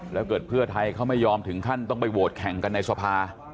แล้วเกิดเพื่อไทยเขาไม่ยอมถึงขั้นต้องไปโหวตแข่งกันในสภา